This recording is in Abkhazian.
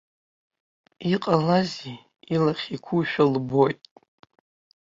Иҟалазеи, илахь еиқәушәа лбоит.